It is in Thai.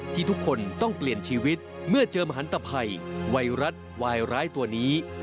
ที่ทุกคนต้องเปลี่ยนชีวิตเมื่อเจอมหันตภัยไวรัสวายร้ายตัวนี้